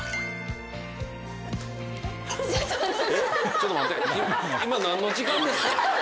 ちょっと待って今。